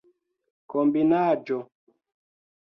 kombinaĵo